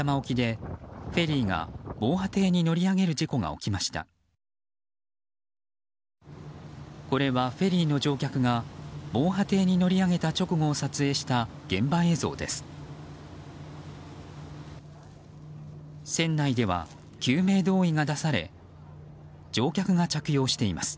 これはフェリーの乗客が防波堤に乗り上げた直後を撮影した現場映像です。